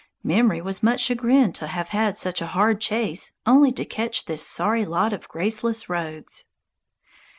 Memory was much chagrined to have had such a hard chase only to catch this sorry lot of graceless rogues.